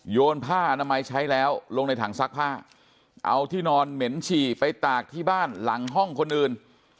ผ้าอนามัยใช้แล้วลงในถังซักผ้าเอาที่นอนเหม็นฉี่ไปตากที่บ้านหลังห้องคนอื่น